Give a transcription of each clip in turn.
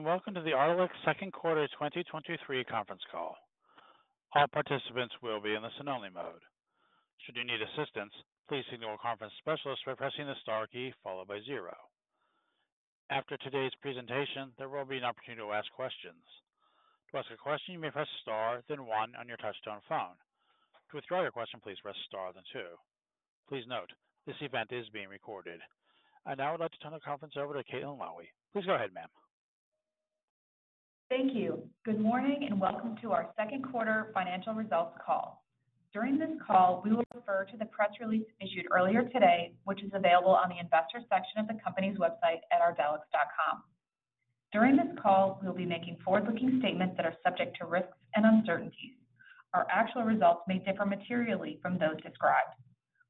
Hello, welcome to the Ardelyx second quarter 2023 conference call. All participants will be in the listen-only mode. Should you need assistance, please signal a conference specialist by pressing the star key followed by 0. After today's presentation, there will be an opportunity to ask questions. To ask a question, you may press star, then 1 on your touchtone phone. To withdraw your question, please press star, then 2. Please note, this event is being recorded. I'd now like to turn the conference over to Caitlin Lowie. Please go ahead, ma'am. Thank you. Good morning, welcome to our second quarter financial results call. During this call, we will refer to the press release issued earlier today, which is available on the investor section of the company's website at ardelyx.com. During this call, we'll be making forward-looking statements that are subject to risks and uncertainties. Our actual results may differ materially from those described.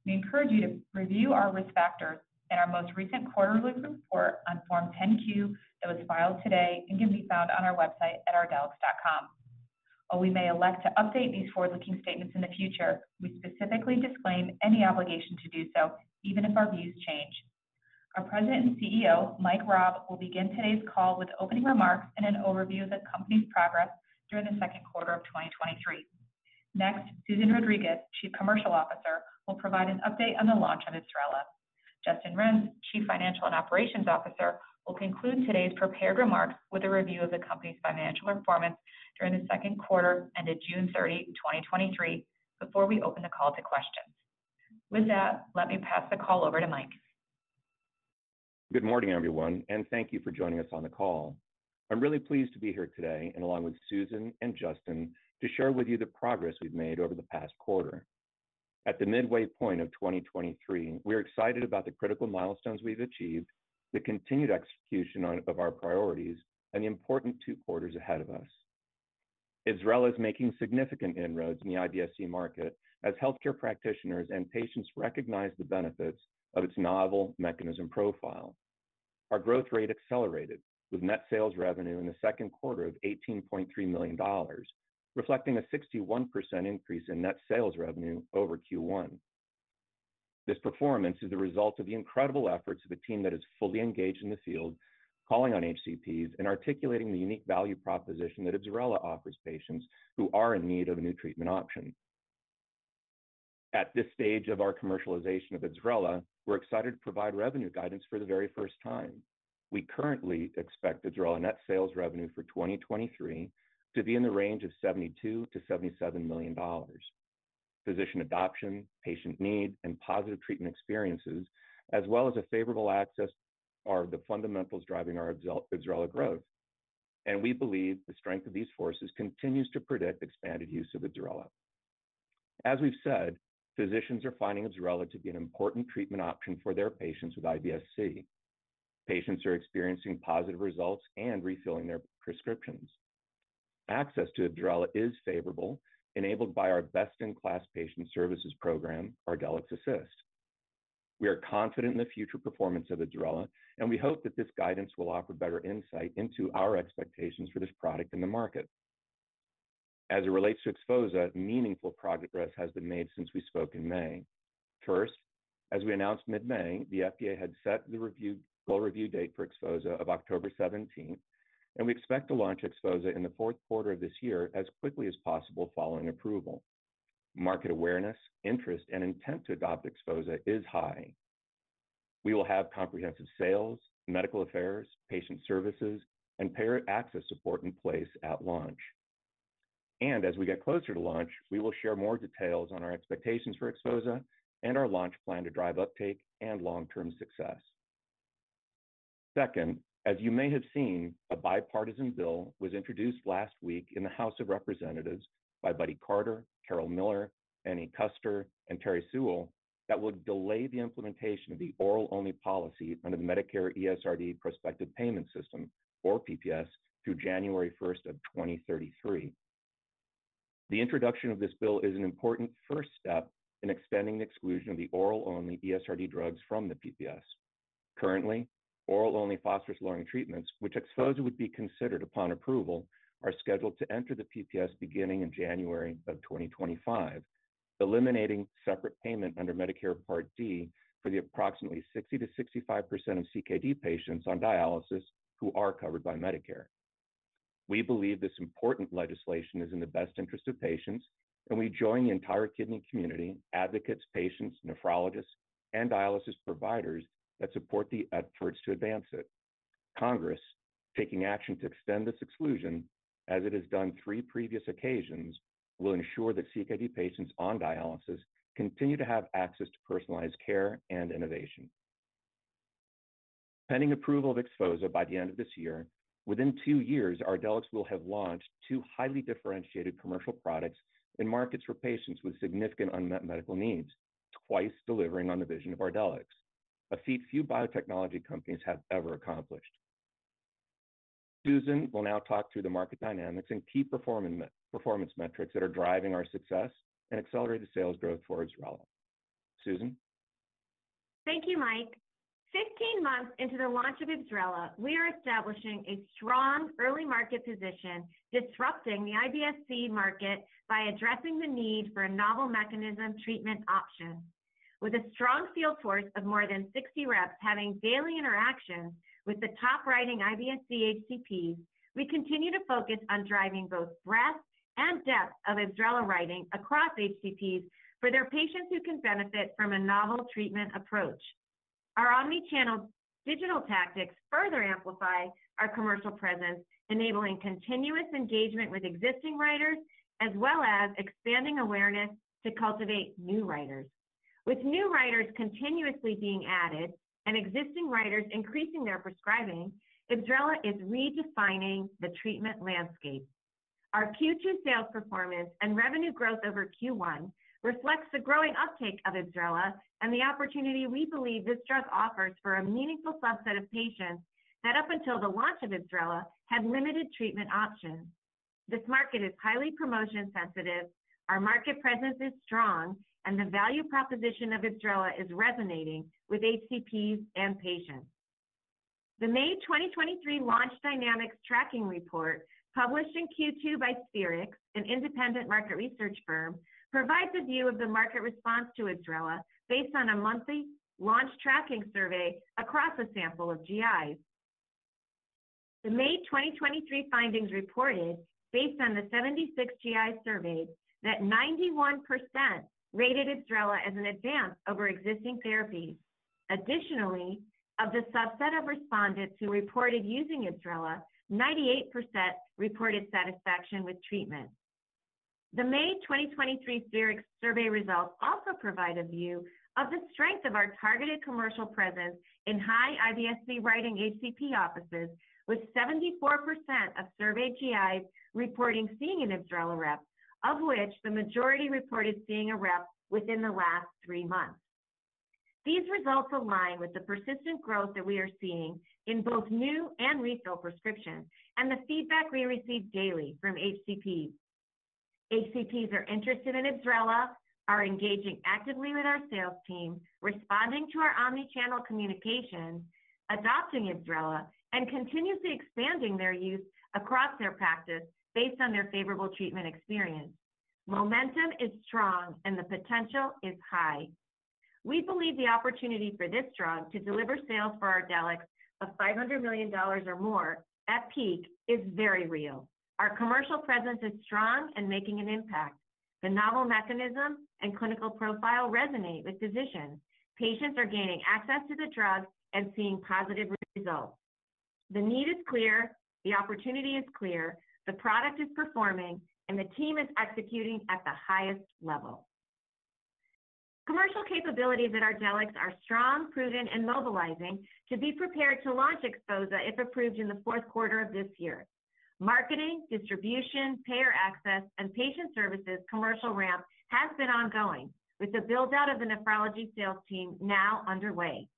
We encourage you to review our risk factors in our most recent quarterly report on Form 10-Q that was filed today and can be found on our website at ardelyx.com. While we may elect to update these forward-looking statements in the future, we specifically disclaim any obligation to do so, even if our views change. Our President and Chief Executive Officer, Mike Raab, will begin today's call with opening remarks and an overview of the company's progress during the second quarter of 2023. Next, Susan Rodriguez, Chief Commercial Officer, will provide an update on the launch of Ibsrela. Justin Renz, Chief Financial and Operations Officer, will conclude today's prepared remarks with a review of the company's financial performance during the second quarter ended June 30, 2023, before we open the call to questions. With that, let me pass the call over to Mike. Good morning, everyone, and thank you for joining us on the call. I'm really pleased to be here today and along with Susan and Justin, to share with you the progress we've made over the past quarter. At the midway point of 2023, we're excited about the critical milestones we've achieved, the continued execution of our priorities, and the important two quarters ahead of us. Ibsrela is making significant inroads in the IBS-C market as healthcare practitioners and patients recognize the benefits of its novel mechanism profile. Our growth rate accelerated with net sales revenue in the second quarter of $18.3 million, reflecting a 61% increase in net sales revenue over Q1. This performance is the result of the incredible efforts of a team that is fully engaged in the field, calling on HCPs and articulating the unique value proposition that Ibsrela offers patients who are in need of a new treatment option. At this stage of our commercialization of Ibsrela, we're excited to provide revenue guidance for the very first time. We currently expect Ibsrela net sales revenue for 2023 to be in the range of $72 million-$77 million. Physician adoption, patient need, and positive treatment experiences, as well as a favorable access, are the fundamentals driving our Ibsrela growth, and we believe the strength of these forces continues to predict expanded use of Ibsrela. As we've said, physicians are finding Ibsrela to be an important treatment option for their patients with IBS-C. Patients are experiencing positive results and refilling their prescriptions. Access to Ibsrela is favorable, enabled by our best-in-class patient services program, ArdelyxAssist. We are confident in the future performance of Ibsrela, we hope that this guidance will offer better insight into our expectations for this product in the market. As it relates to XPHOZAH, meaningful progress has been made since we spoke in May. First, as we announced mid-May, the FDA had set the review, full review date for XPHOZAH of October 17th, we expect to launch XPHOZAH in the fourth quarter of this year as quickly as possible following approval. Market awareness, interest, and intent to adopt XPHOZAH is high. We will have comprehensive sales, medical affairs, patient services, and payer access support in place at launch. As we get closer to launch, we will share more details on our expectations for XPHOZAH and our launch plan to drive uptake and long-term success. Second, as you may have seen, a bipartisan bill was introduced last week in the House of Representatives by Buddy Carter, Carol Miller, Annie Kuster, and Terri Sewell, that would delay the implementation of the oral-only policy under the Medicare ESRD Prospective Payment System, or PPS, through January 1st of 2033. The introduction of this bill is an important first step in extending the exclusion of the oral-only ESRD drugs from the PPS. Currently, oral-only phosphorus-lowering treatments, which XPHOZAH would be considered upon approval, are scheduled to enter the PPS beginning in January of 2025, eliminating separate payment under Medicare Part D for the approximately 60%-65% of CKD patients on dialysis who are covered by Medicare. We believe this important legislation is in the best interest of patients, and we join the entire kidney community, advocates, patients, nephrologists, and dialysis providers that support the efforts to advance it. Congress, taking action to extend this exclusion, as it has done three previous occasions, will ensure that CKD patients on dialysis continue to have access to personalized care and innovation. Pending approval of XPHOZAH by the end of this year, within two years, Ardelyx will have launched two highly differentiated commercial products in markets for patients with significant unmet medical needs, twice delivering on the vision of Ardelyx, a feat few biotechnology companies have ever accomplished. Susan will now talk through the market dynamics and key performance metrics that are driving our success and accelerated sales growth for Ibsrela. Susan? Thank you, Mike. 15 months into the launch of Ibsrela, we are establishing a strong early market position, disrupting the IBS-C market by addressing the need for a novel mechanism treatment option. With a strong field force of more than 60 reps having daily interactions with the top writing IBS-C HCPs, we continue to focus on driving both breadth and depth of Ibsrela writing across HCPs for their patients who can benefit from a novel treatment approach. Our omni-channel digital tactics further amplify our commercial presence, enabling continuous engagement with existing writers as well as expanding awareness to cultivate new writers. With new writers continuously being added and existing writers increasing their prescribing, Ibsrela is redefining the treatment landscape. Our Q2 sales performance and revenue growth over Q1 reflects the growing uptake of Ibsrela and the opportunity we believe this drug offers for a meaningful subset of patients that, up until the launch of Ibsrela, had limited treatment options. This market is highly promotion sensitive, our market presence is strong, and the value proposition of Ibsrela is resonating with HCPs and patients. The May 2023 Launch Dynamics Tracking Report, published in Q2 by Spherix, an independent market research firm, provides a view of the market response to Ibsrela based on a monthly launch tracking survey across a sample of GIs. The May 2023 findings reported, based on the 76 GIs surveyed, that 91% rated Ibsrela as an advance over existing therapies. Additionally, of the subset of respondents who reported using Ibsrela, 98% reported satisfaction with treatment. The May 2023 Spherix survey results also provide a view of the strength of our targeted commercial presence in high IBS-C writing HCP offices, with 74% of survey GIs reporting seeing an Ibsrela rep, of which the majority reported seeing a rep within the last 3 months. These results align with the persistent growth that we are seeing in both new and refill prescriptions, and the feedback we receive daily from HCPs. HCPs are interested in Ibsrela, are engaging actively with our sales team, responding to our omni-channel communications, adopting Ibsrela, and continuously expanding their use across their practice based on their favorable treatment experience. Momentum is strong and the potential is high. We believe the opportunity for this drug to deliver sales for Ardelyx of $500 million or more at peak is very real. Our commercial presence is strong and making an impact. The novel mechanism and clinical profile resonate with physicians. Patients are gaining access to the drug and seeing positive results. The need is clear, the opportunity is clear, the product is performing, and the team is executing at the highest level. Commercial capabilities at Ardelyx are strong, proven, and mobilizing to be prepared to launch XPHOZAH. if approved in the fourth quarter of this year. Marketing, distribution, payer access, and patient services commercial ramp has been ongoing, with the build-out of the nephrology sales team now underway.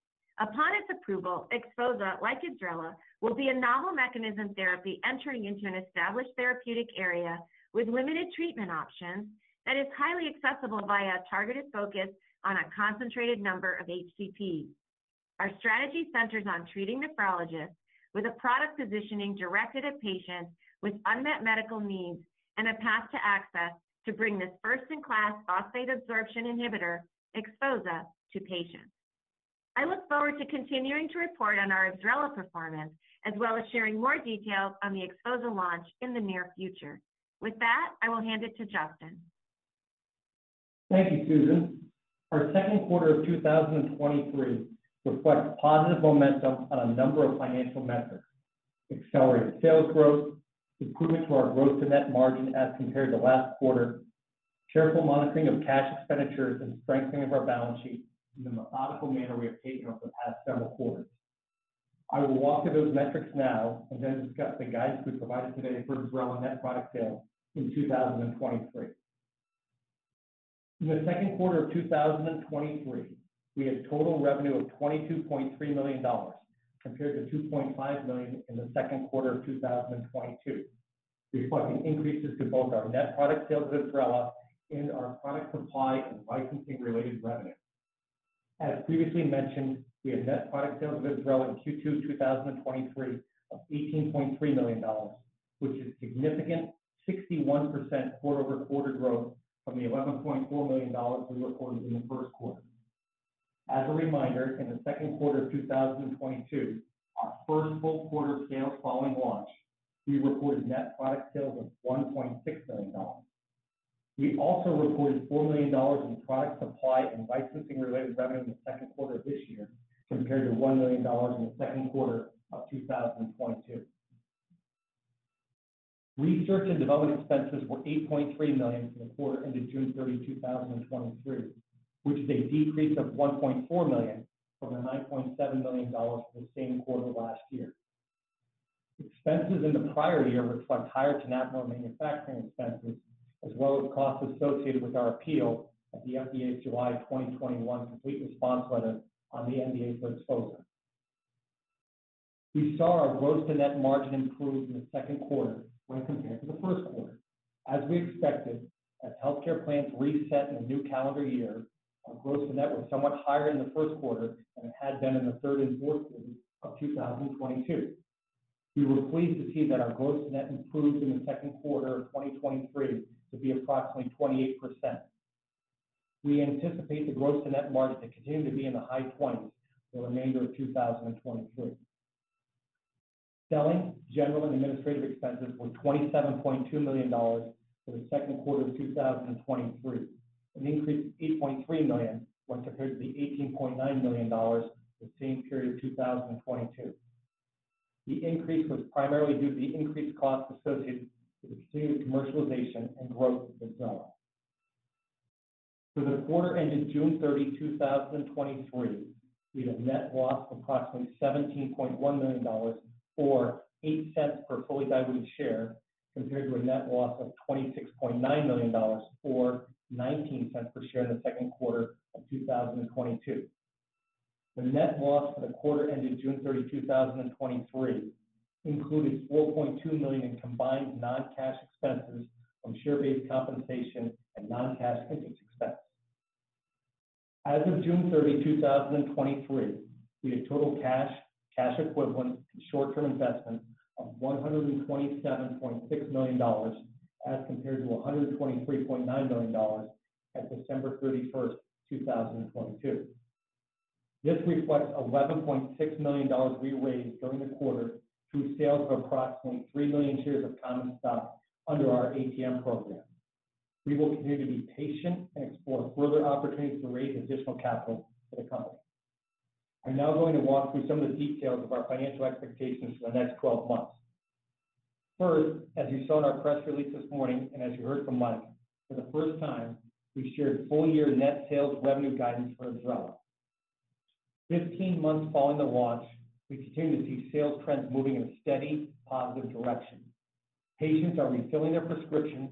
Upon its approval, XPHOZAH, like Ibsrela, will be a novel mechanism therapy entering into an established therapeutic area with limited treatment options that is highly accessible via a targeted focus on a concentrated number of HCPs. Our strategy centers on treating nephrologists with a product positioning directed at patients with unmet medical needs and a path to access to bring this first-in-class phosphate absorption inhibitor, XPHOZAH, to patients. I look forward to continuing to report on our Ibsrela performance, as well as sharing more details on the XPHOZAH launch in the near future. With that, I will hand it to Justin. Thank you, Susan. Our second quarter of 2023 reflects positive momentum on a number of financial metrics: accelerated sales growth, improvement to our gross to net margin as compared to last quarter, careful monitoring of cash expenditures, and strengthening of our balance sheet in the methodical manner we have taken over the past several quarters. I will walk through those metrics now and then discuss the guidance we provided today for Ibsrela net product sales in 2023. In the second quarter of 2023, we had total revenue of $22.3 million, compared to $2.5 million in the second quarter of 2022, reflecting increases to both our net product sales of Ibsrela and our product supply and licensing-related revenue. As previously mentioned, we had net product sales of Ibsrela in Q2 2023 of $18.3 million, which is significant 61% quarter-over-quarter growth from the $11.4 million we reported in the first quarter. As a reminder, in the second quarter of 2022, our first full quarter of sales following launch, we reported net product sales of $1.6 million. We also reported $4 million in product supply and licensing-related revenue in the second quarter of this year, compared to $1 million in the second quarter of 2022. Research and development expenses were $8.3 million for the quarter ended June 30, 2023, which is a decrease of $1.4 million from the $9.7 million for the same quarter last year. Expenses in the prior year reflect higher clinical manufacturing expenses, as well as costs associated with our appeal at the FDA's July 2021 Complete Response Letter on the NDA for XPHOZAH. We saw our gross to net margin improve in the second quarter when compared to the first quarter. As we expected, as healthcare plans reset in the new calendar year, our gross to net was somewhat higher in the first quarter than it had been in the third and fourth quarter of 2022. We were pleased to see that our gross net improved in the second quarter of 2023 to be approximately 28%. We anticipate the gross to net margin to continue to be in the high 20s for the remainder of 2023. Selling, general, and administrative expenses were $27.2 million for the second quarter of 2023, an increase of $8.3 million when compared to the $18.9 million for the same period of 2022. The increase was primarily due to the increased costs associated with the continued commercialization and growth of Ibsrela. For the quarter ended June 30, 2023, we had a net loss of approximately $17.1 million, or $0.08 per fully diluted share, compared to a net loss of $26.9 million, or $0.19 per share in the second quarter of 2022. The net loss for the quarter ended June 30, 2023, included $4.2 million in combined non-cash expenses from share-based compensation and non-cash pensions expense. As of June 30, 2023, we had total cash, cash equivalents, and short-term investments of $127.6 million, as compared to $123.9 million at December 31, 2022. This reflects $11.6 million we raised during the quarter through sales of approximately 3 million shares of common stock under our ATM program. We will continue to be patient and explore further opportunities to raise additional capital for the company. I'm now going to walk through some of the details of our financial expectations for the next 12 months. First, as you saw in our press release this morning and as you heard from Mike, for the first time, we've shared full-year net sales revenue guidance for Ibsrela. 15 months following the launch, we continue to see sales trends moving in a steady, positive direction. Patients are refilling their prescriptions,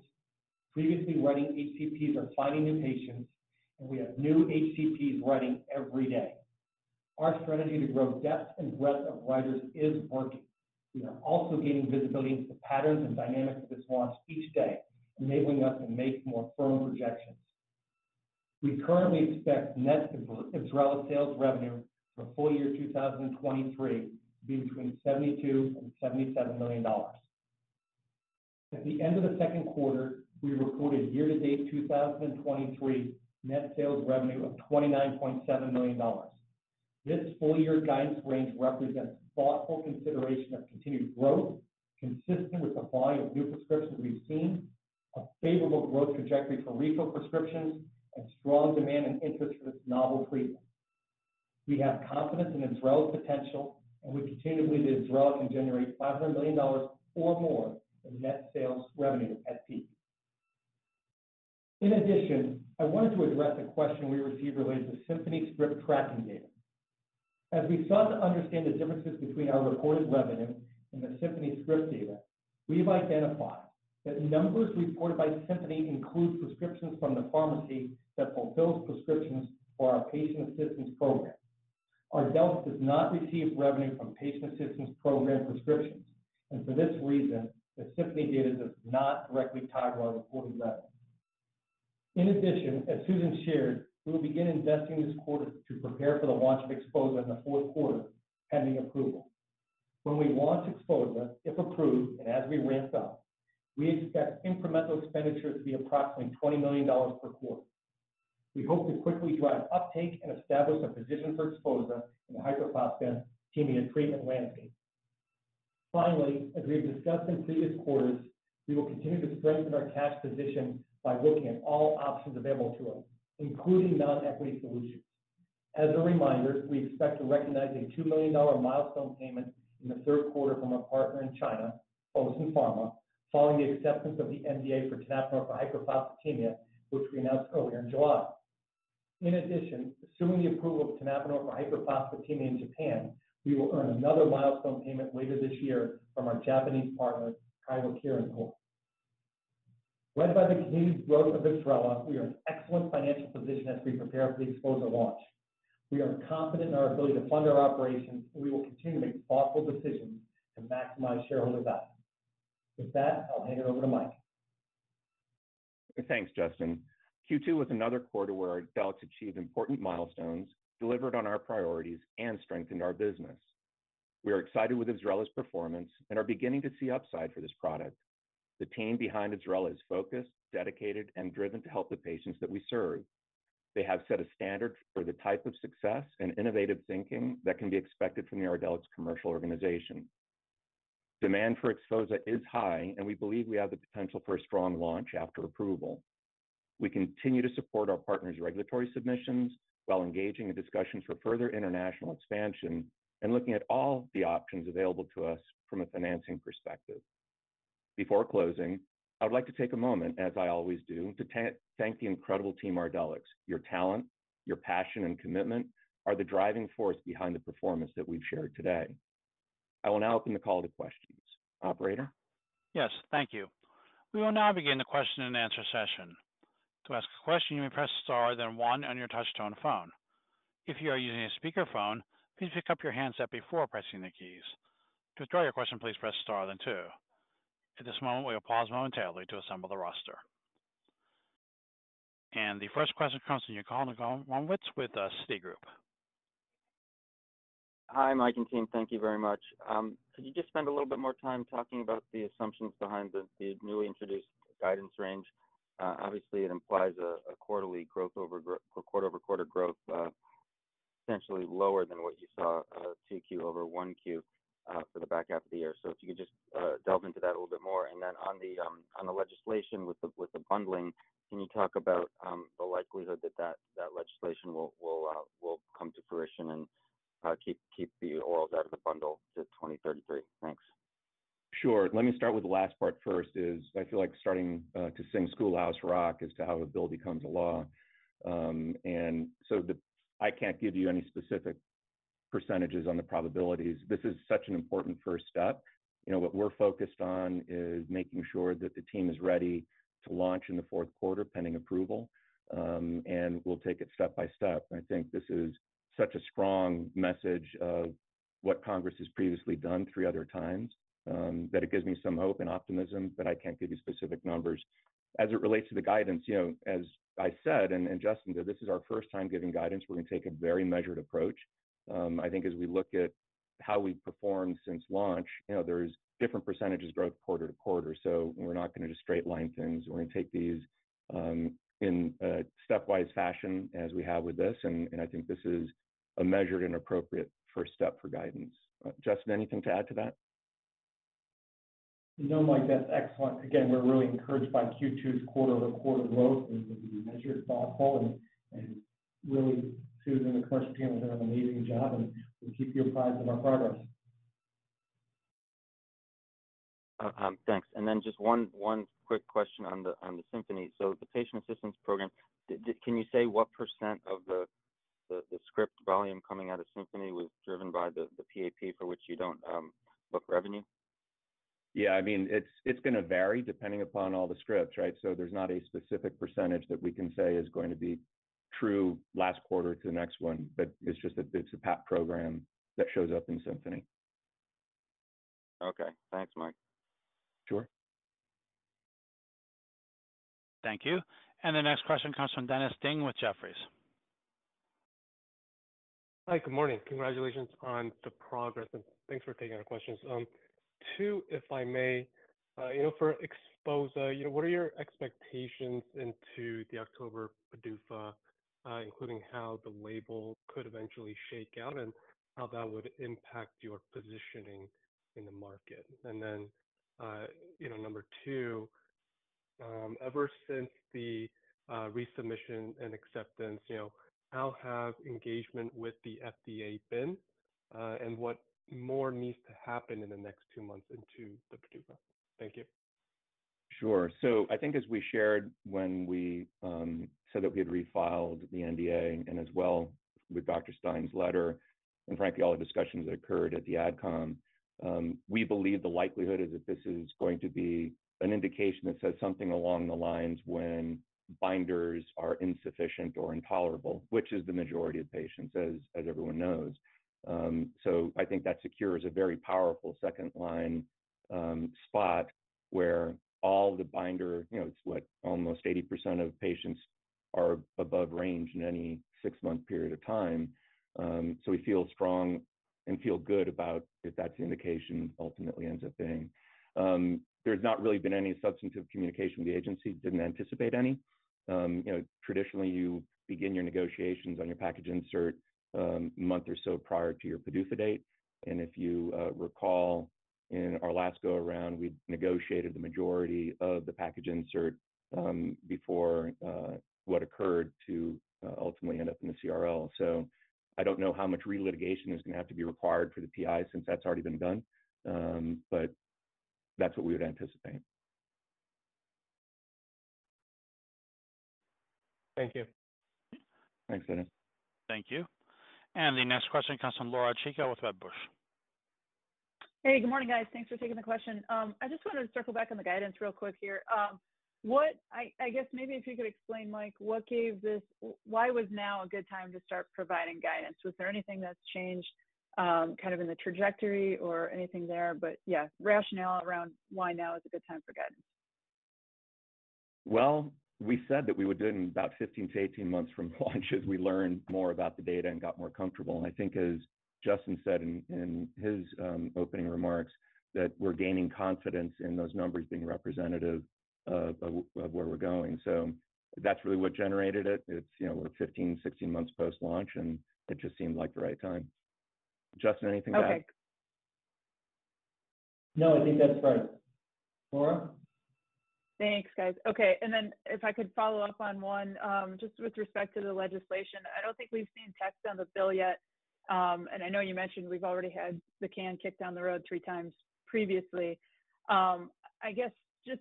previously writing HCPs are finding new patients, and we have new HCPs writing every day. Our strategy to grow depth and breadth of writers is working. We are also gaining visibility into the patterns and dynamics of this launch each day, enabling us to make more firm projections. We currently expect net improve Ibsrela sales revenue for full year 2023 to be between $72 million-$77 million. At the end of the 2nd quarter, we reported year-to-date 2023 net sales revenue of $29.7 million. This full-year guidance range represents thoughtful consideration of continued growth, consistent with the volume of new prescriptions we've seen, a favorable growth trajectory for refill prescriptions, and strong demand and interest for this novel treatment. We have confidence in Ibsrela's potential. We continue to believe that Ibsrela can generate $500 million or more in net sales revenue at peak. In addition, I wanted to address a question we received related to Symphony Script tracking data. As we sought to understand the differences between our reported revenue and the Symphony Script data, we've identified that numbers reported by Symphony include prescriptions from the pharmacy that fulfills prescriptions for our patient assistance program. Ardelyx does not receive revenue from patient assistance program prescriptions. For this reason, the Symphony data does not directly tie to our reported revenue. In addition, as Susan shared, we will begin investing this quarter to prepare for the launch of XPHOZAH in the fourth quarter, pending approval. When we launch XPHOZAH, if approved and as we ramp up, we expect incremental expenditure to be approximately $20 million per quarter. We hope to quickly drive uptake and establish a position for XPHOZAH in the hyperphosphatemia treatment landscape. As we have discussed in previous quarters, we will continue to strengthen our cash position by looking at all options available to us, including non-equity solutions. As a reminder, we expect to recognize a $2 million milestone payment in the third quarter from our partner in China, Fosun Pharma, following the acceptance of the NDA for tenapanor for hyperphosphatemia, which we announced earlier in July. In addition, assuming the approval of tenapanor for hyperphosphatemia in Japan, we will earn another milestone payment later this year from our Japanese partner, Kyowa Kirin. Led by the continued growth of Ibsrela, we are in excellent financial position as we prepare for the XPHOZAH launch. We are confident in our ability to fund our operations, and we will continue to make thoughtful decisions to maximize shareholder value. With that, I'll hand it over to Mike. Thanks, Justin. Q2 was another quarter where Ardelyx achieved important milestones, delivered on our priorities, and strengthened our business. We are excited with Ibsrela's performance and are beginning to see upside for this product. The team behind Ibsrela is focused, dedicated, and driven to help the patients that we serve. They have set a standard for the type of success and innovative thinking that can be expected from the Ardelyx commercial organization. Demand for XPHOZAH is high, and we believe we have the potential for a strong launch after approval. We continue to support our partners' regulatory submissions while engaging in discussions for further international expansion and looking at all the options available to us from a financing perspective. Before closing, I would like to take a moment, as I always do, to thank the incredible team Ardelyx. Your talent, your passion, and commitment are the driving force behind the performance that we've shared today. I will now open the call to questions. Operator? Yes, thank you. We will now begin the question and answer session. To ask a question, you may press star, then one on your touchtone phone. If you are using a speakerphone, please pick up your handset before pressing the keys. To withdraw your question, please press star, then two. At this moment, we will pause momentarily to assemble the roster. The first question comes from your Yigal Nochomovitz with, Citigroup. Hi, Mike and team. Thank you very much. Could you just spend a little bit more time talking about the assumptions behind the newly introduced guidance range? Obviously, it implies a quarterly growth or quarter-over-quarter growth potentially lower than what you saw 2Q over 1Q for the back half of the year. If you could just delve into that a little bit more. Then on the legislation with the bundling, can you talk about the likelihood that that legislation will come to fruition and keep the orals out of the bundle to 2033? Thanks. Sure. Let me start with the last part first, is I feel like starting to sing Schoolhouse Rock! as to how a bill becomes a law. I can't give you any specific percentages on the probabilities. This is such an important first step. You know, what we're focused on is making sure that the team is ready to launch in the fourth quarter, pending approval. We'll take it step by step. I think this is such a strong message of what Congress has previously done three other times, that it gives me some hope and optimism. I can't give you specific numbers. As it relates to the guidance, you know, as I said, Justin did, this is our first time giving guidance. We're going to take a very measured approach. I think as we look at how we've performed since launch, you know, there's different percentages growth quarter to quarter, so we're not going to just straight line things. We're going to take these in a stepwise fashion, as we have with this, and I think this is a measured and appropriate first step for guidance. Justin, anything to add to that? No, Mike, that's excellent. Again, we're really encouraged by Q2's quarter-over-quarter growth, and be measured, thoughtful, and, and really, Susan and the commercial team are doing an amazing job, and we'll keep you apprised of our progress. Thanks. Just one, one quick question on the, on the Symphony. The patient assistance program, Can you say what percentage of the, the, the script volume coming out of Symphony was driven by the, the PAP, for which you don't, book revenue? Yeah, I mean, it's going to vary depending upon all the scripts, right? There's not a specific percentage that we can say is going to be true last quarter to the next one, but it's just that it's a PAP program that shows up in Symphony. Okay. Thanks, Mike. Sure. Thank you. The next question comes from Dennis Ding with Jefferies. Hi, good morning. Congratulations on the progress, and thanks for taking our questions. two, if I may. you know, for exposed, you know, what are your expectations into the October PDUFA, including how the label could eventually shake out and how that would impact your positioning in the market? Then, you know, number two, ever since the resubmission and acceptance, you know, how have engagement with the FDA been? What more needs to happen in the next two months into the PDUFA? Thank you. Sure. I think as we shared when we said that we had refiled the NDA and as well with Dr. Stein's letter, and frankly, all the discussions that occurred at the AdCom, we believe the likelihood is that this is going to be an indication that says something along the lines when binders are insufficient or intolerable, which is the majority of patients, as, as everyone knows. I think that secures a very powerful second-line spot where all the binder, you know, it's what? Almost 80% of patients are above range in any six-month period of time. We feel strong and feel good about if that's the indication ultimately ends up being. There's not really been any substantive communication with the agency, didn't anticipate any. You know, traditionally, you begin your negotiations on your package insert, a month or so prior to your PDUFA date. If you recall, in our last go around, we negotiated the majority of the package insert, before what occurred to ultimately end up in the CRL. I don't know how much relitigation is going to have to be required for the PI since that's already been done, but that's what we would anticipate. Thank you. Thanks, Dennis. Thank you. The next question comes from Laura Chico with Wedbush. Hey, good morning, guys. Thanks for taking the question. I just wanted to circle back on the guidance real quick here. What I guess maybe if you could explain, Mike, what gave this? Why was now a good time to start providing guidance? Was there anything that's changed, kind of in the trajectory or anything there? Yeah, rationale around why now is a good time for guidance. Well, we said that we would do it in about 15-18 months from launch as we learned more about the data and got more comfortable. I think as Justin said in, in his opening remarks, that we're gaining confidence in those numbers being representative of, of, of where we're going. That's really what generated it. It's, you know, we're 15, 16 months post-launch, and it just seemed like the right time. Justin, anything to add? Okay. No, I think that's perfect. Laura? Thanks, guys. Okay, then if I could follow up on one, just with respect to the legislation. I don't think we've seen text on the bill yet. I know you mentioned we've already had the can kicked down the road three times previously. I guess just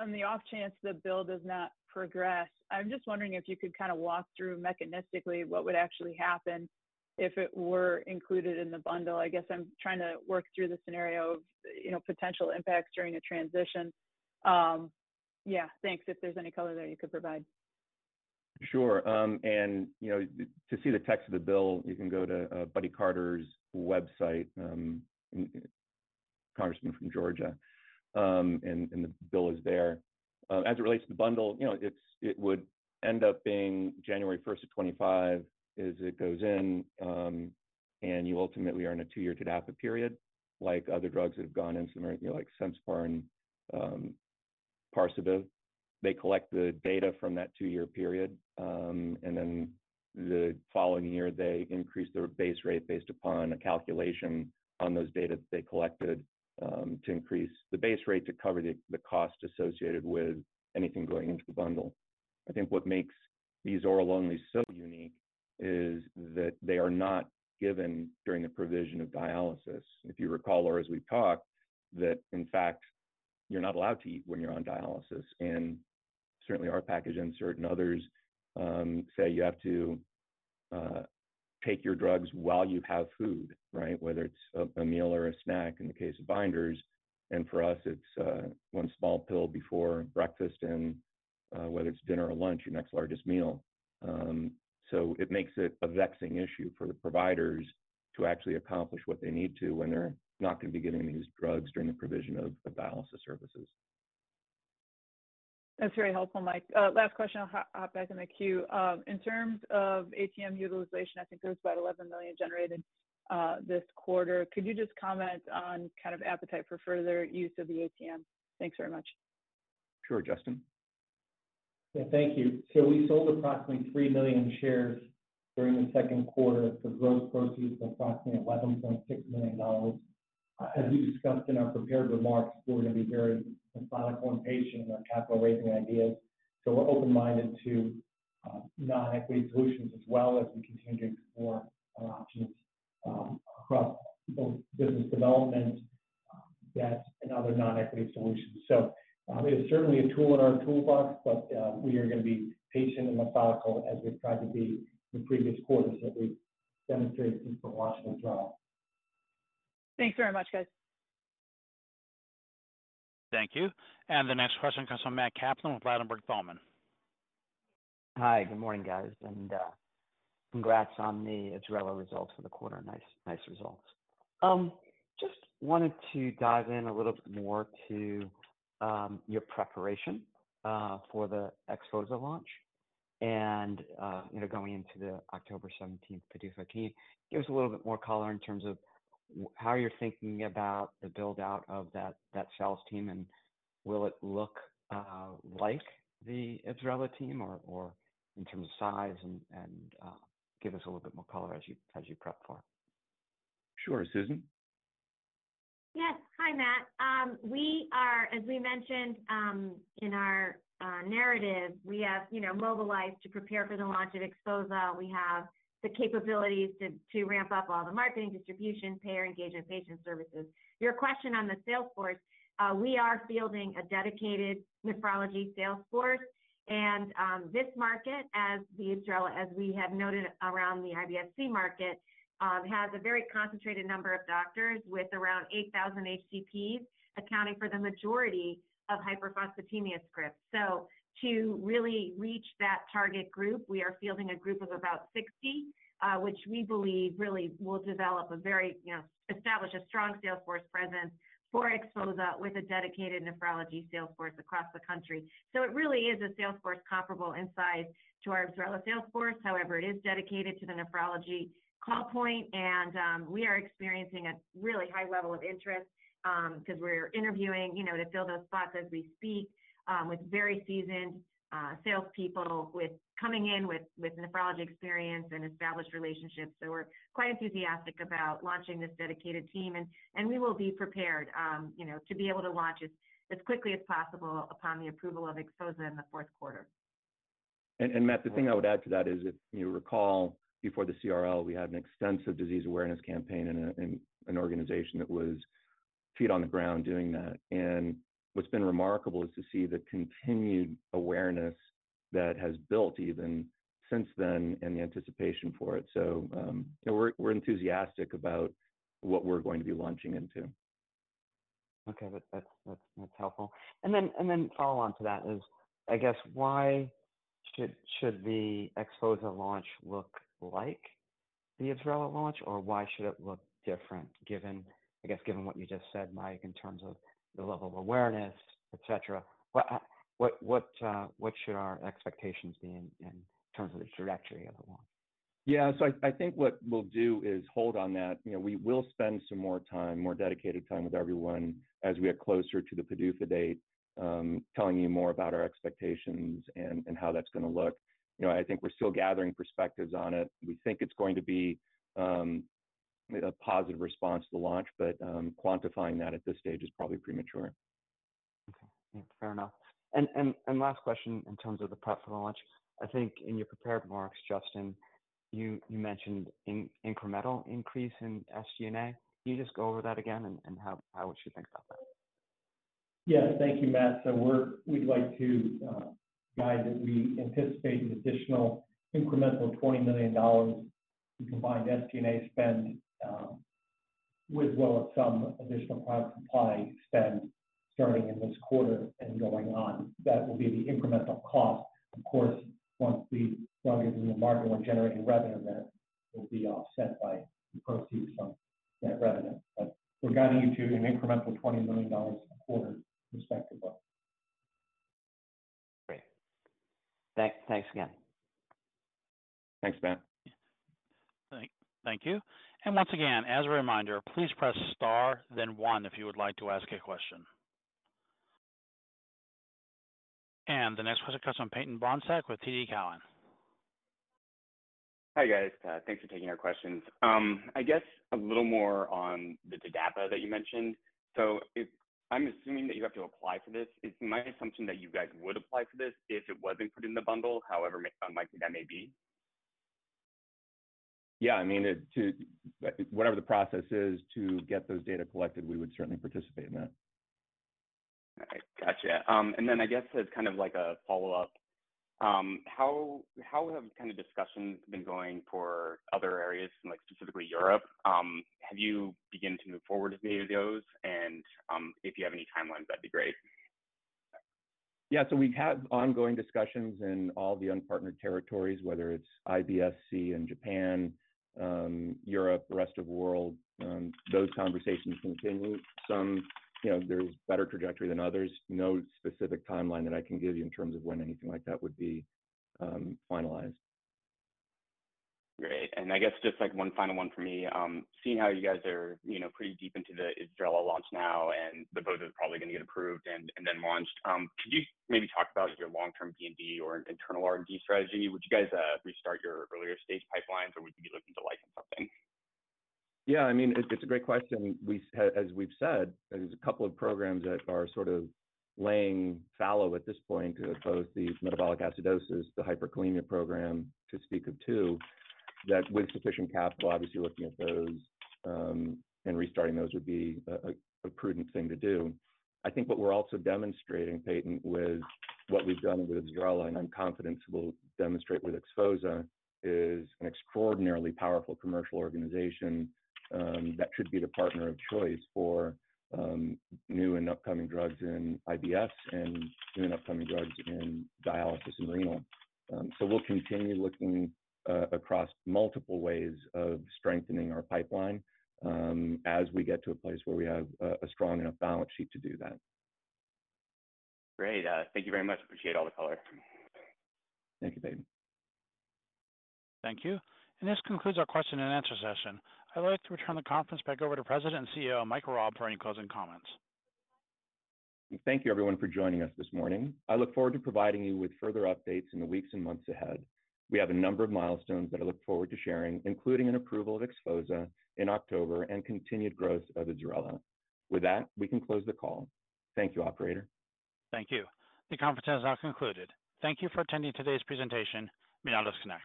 on the off chance the bill does not progress, I'm just wondering if you could kind of walk through mechanistically what would actually happen if it were included in the bundle. I guess I'm trying to work through the scenario of, you know, potential impacts during a transition. Yeah, thanks, if there's any color there you could provide. Sure, you know, to see the text of the bill, you can go to Buddy Carter's website. congressman from Georgia, and the bill is there. As it relates to the bundle, you know, it's, it would end up being January 1st of 2025 as it goes in, you ultimately are in a 2-year TDAPA period, like other drugs that have gone into America, like Sensipar and Parsabiv. They collect the data from that 2-year period, then the following year, they increase their base rate based upon a calculation on those data that they collected, to increase the base rate to cover the cost associated with anything going into the bundle. I think what makes these oral only so unique is that they are not given during the provision of dialysis. If you recall, or as we've talked, that in fact, you're not allowed to eat when you're on dialysis, certainly our package insert and others say you have to take your drugs while you have food, right? Whether it's a meal or a snack, in the case of binders, for us, it's one small pill before breakfast and whether it's dinner or lunch, your next largest meal. It makes it a vexing issue for the providers to actually accomplish what they need to when they're not going to be giving these drugs during the provision of the dialysis services. That's very helpful, Mike. Last question, I'll hop, hop back in the queue. In terms of ATM utilization, I think there was about $11 million generated this quarter. Could you just comment on kind of appetite for further use of the ATM? Thanks very much. Sure. Justin? Yeah, thank you. We sold approximately 3 million shares during the second quarter for gross proceeds of approximately $11.6 million. As we discussed in our prepared remarks, we're going to be very methodical and patient in our capital raising ideas, so we're open-minded to non-equity solutions as well as we continue to explore other options across both business development, debt and other non-equity solutions. It's certainly a tool in our toolbox, but we are going to be patient and methodical as we've tried to be in previous quarters, as we've demonstrated through the Washington trial. Thanks very much, guys. Thank you. The next question comes from Matthew Kaplan with Ladenburg Thalmann. Hi, good morning, guys, and congrats on the Ibsrela results for the quarter. Nice, nice results. Just wanted to dive in a little bit more to your preparation for the XPHOZAH launch, you know, going into the October 17th PDUFA date. Give us a little bit more color in terms of how you're thinking about the build-out of that, that sales team, and will it look like the Ibsrela team or in terms of size and give us a little bit more color as you, as you prep for it. Sure. Susan? Yes. Hi, Matt. We are, as we mentioned, in our narrative, we have, you know, mobilized to prepare for the launch of XPHOZAH. We have the capabilities to ramp up all the marketing, distribution, payer engagement, patient services. Your question on the sales force, we are fielding a dedicated nephrology sales force. This market, as the Ibsrela, as we have noted around the IBS-C market, has a very concentrated number of doctors with around 8,000 HCPs, accounting for the majority of hyperphosphatemia scripts. To really reach that target group, we are fielding a group of about 60, which we believe really will develop a very, you know, establish a strong sales force presence for XPHOZAH with a dedicated nephrology sales force across the country. It really is a sales force comparable in size to our Ibsrela sales force. However, it is dedicated to the nephrology call point, and we are experiencing a really high level of interest, because we're interviewing, you know, to fill those spots as we speak, with very seasoned salespeople, coming in with nephrology experience and established relationships. We're quite enthusiastic about launching this dedicated team and we will be prepared, you know, to be able to launch as quickly as possible upon the approval of XPHOZAH in the fourth quarter. Matt, the thing I would add to that is, if you recall, before the CRL, we had an extensive disease awareness campaign and a, and an organization that was feet on the ground doing that. What's been remarkable is to see the continued awareness that has built even since then, and the anticipation for it. You know, we're, we're enthusiastic about what we're going to be launching into. Okay. That's, that's, that's helpful. Follow on to that is, I guess, why should, should the XPHOZAH launch look like the Ibsrela launch, or why should it look different, given, I guess, given what you just said, Mike, in terms of the level of awareness, et cetera? What should our expectations be in, in terms of the trajectory of the launch? Yeah. I, I think what we'll do is hold on that. You know, we will spend some more time, more dedicated time with everyone as we get closer to the PDUFA date, telling you more about our expectations and, and how that's going to look. You know, I think we're still gathering perspectives on it. We think it's going to be a positive response to the launch, quantifying that at this stage is probably premature. Okay. Fair enough. Last question, in terms of the prep for the launch, I think in your prepared remarks, Justin, you mentioned incremental increase in SG&A. Can you just go over that again and how we should think about that? Yeah. Thank you, Matt. We'd like to guide that we anticipate an additional incremental $20 million in combined SG&A spend, as well as some additional cloud supply spend. Starting in this quarter and going on, that will be the incremental cost. Of course, once the drug is in the market, we're generating revenue that will be offset by the proceeds from that revenue. We're guiding you to an incremental $20 million a quarter, respectively. Great. Thanks, thanks again. Thanks, Ben. Thank, thank you. Once again, as a reminder, please press star, then one if you would like to ask a question. The next question comes from Peyton Bohnsack with TD Cowen. Hi, guys. Thanks for taking our questions. I guess a little more on the data that you mentioned. I'm assuming that you have to apply for this. It's my assumption that you guys would apply for this if it wasn't put in the bundle, however unlikely that may be? Yeah, I mean, it, whatever the process is to get those data collected, we would certainly participate in that. Gotcha. Then I guess as kind of like a follow-up, how, how have kind of discussions been going for other areas, like specifically Europe? Have you begun to move forward with any of those? If you have any timelines, that'd be great. We have ongoing discussions in all the unpartnered territories, whether it's IBS-C in Japan, Europe, the rest of the world. Those conversations continue. Some, you know, there's better trajectory than others. No specific timeline that I can give you in terms of when anything like that would be finalized. Great. I guess just, like, one final one for me. Seeing how you guys are, you know, pretty deep into the Ibsrela launch now, and XPHOZAH is probably going to get approved and, and then launched, could you maybe talk about your long-term P&D or internal R&D strategy? Would you guys restart your earlier-stage pipelines, or would you be looking to license something? Yeah, I mean, it's, it's a great question. We, as we've said, there's a couple of programs that are sort of laying fallow at this point, both the metabolic acidosis, the hyperkalemia program, to speak of two, that with sufficient capital, obviously looking at those, and restarting those would be a, a, a prudent thing to do. I think what we're also demonstrating, Peyton, with what we've done with Ibsrela, and I'm confident we'll demonstrate with XPHOZAH, is an extraordinarily powerful commercial organization, that should be the partner of choice for new and upcoming drugs in IBS and new and upcoming drugs in dialysis and renal. So we'll continue looking across multiple ways of strengthening our pipeline, as we get to a place where we have a, a strong enough balance sheet to do that. Great. Thank you very much. Appreciate all the color. Thank you, Peyton. Thank you. This concludes our question and answer session. I'd like to return the conference back over to President and CEO, Mike Raab, for any closing comments. Thank you, everyone, for joining us this morning. I look forward to providing you with further updates in the weeks and months ahead. We have a number of milestones that I look forward to sharing, including an approval of XPHOZAH in October and continued growth of Ibsrela. With that, we can close the call. Thank you, operator. Thank you. The conference has now concluded. Thank you for attending today's presentation. You may now disconnect.